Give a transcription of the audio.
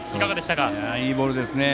いいボールですね。